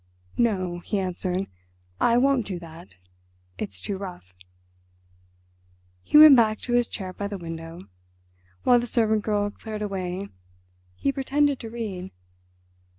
"No," he answered, "I won't do that; it's too rough." He went back to his chair by the window. While the servant girl cleared away he pretended to read...